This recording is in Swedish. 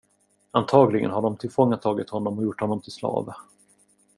Antagligen har de tillfångatagit honom och gjort honom till slav.